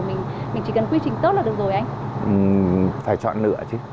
mình chỉ cần quy trình tốt là được rồi anh